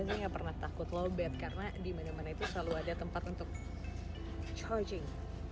ini nggak pernah takut low bad karena di mana mana itu selalu ada tempat untuk charging